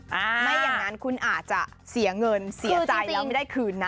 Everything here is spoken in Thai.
ไม่อย่างนั้นคุณอาจจะเสียเงินเสียใจแล้วไม่ได้คืนนะ